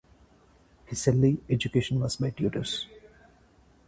His early education was by tutors.